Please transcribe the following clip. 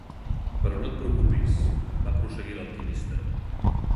"Però no et preocupis", va prosseguir l'alquimista.